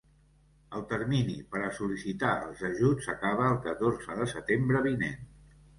El termini per a sol·licitar els ajuts acaba el catorze de setembre vinent.